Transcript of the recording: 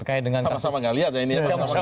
sama sama tidak lihat ya ini